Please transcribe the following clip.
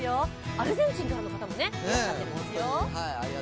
アルゼンチンからの方もいらっしゃっていますよ。